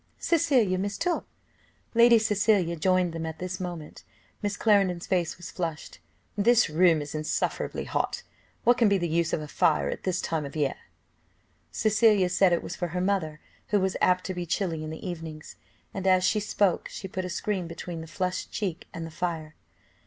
Cecilia mistook " Lady Cecilia joined them at this moment. Miss Clarendon's face was flushed. "This room is insufferably hot. What can be the use of a fire at this time of year?" Cecilia said it was for her mother, who was apt to be chilly in the evenings; and as she spoke, she put a screen between the flushed cheek and the fire.